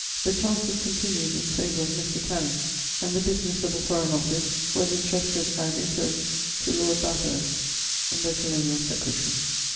The chances continued in favour of Mr. Canning, and the business of the Foreign Office was entrusted ad interim to Lord Bathurst, the Colonial Secretary.